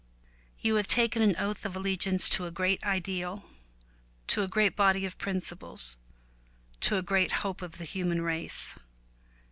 You have taken an oath of allegiance to a great ideal, to a great body of principles, to a great hope of the human race.